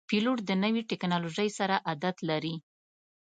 پیلوټ د نوي ټکنالوژۍ سره عادت لري.